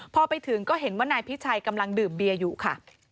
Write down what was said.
พอไปถึงก็เห็นว่านายพิชัยกำลังดื่มเบียร์อยู่ค่ะ